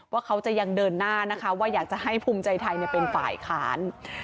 ว่าเขาจะยังเดินหน้านะคะว่าอยากจะให้ภูมิใจไทยเป็นฝ่ายค้าน